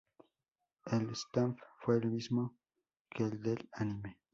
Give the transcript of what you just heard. El staff fue el mismo que el del anime.